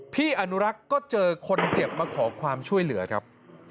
พี่อนุรักษ์ก็เจอคนเจ็บมาขอความช่วยเหลือครับ